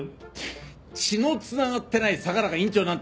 血の繋がってない相良が院長なんてあり得ない！